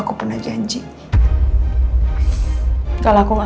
aku bisa bawa dia ke rumah